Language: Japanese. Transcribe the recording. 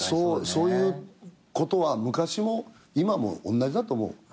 そういうことは昔も今もおんなじだと思う。